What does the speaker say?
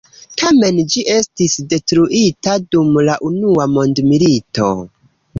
Tamen ĝi estis detruita dum la Unua mondmilito.